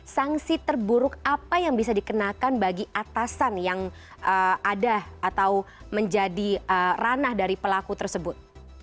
sanksi terburuk apa yang bisa dikenakan bagi atasan yang ada atau menjadi ranah dari pelaku tersebut